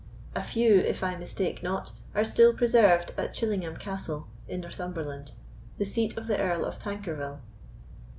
A few, if I mistake not, are still preserved at Chillingham Castle, in Northumberland, the seat of the Earl of Tankerville.